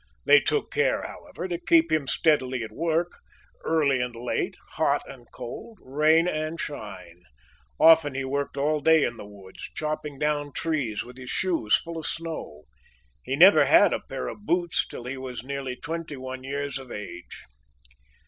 They took care, however, to keep him steadily at work, early and late, hot and cold, rain and shine. Often he worked all day in the woods chopping down trees with his shoes full of snow; he never had a pair of boots till he was nearly twenty one years of age.